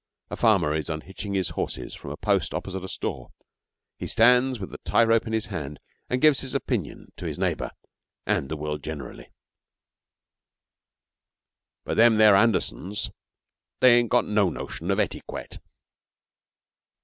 A farmer is unhitching his horses from a post opposite a store. He stands with the tie rope in his hand and gives his opinion to his neighbour and the world generally 'But them there Andersons, they ain't got no notion of etikwette!'